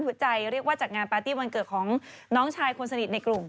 ใจเรียกว่าจากงานปาร์ตี้วันเกิดของน้องชายคนสนิทในกลุ่ม